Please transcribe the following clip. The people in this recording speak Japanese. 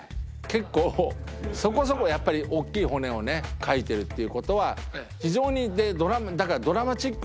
結構そこそこやっぱり大きい骨をね描いてるっていう事は非常にだからドラマチックな。